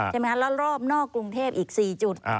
ใช่ไหมแล้วรอบนอกกรุงเทพอีก๔จุด